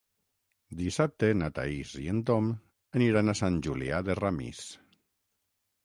Dissabte na Thaís i en Tom aniran a Sant Julià de Ramis.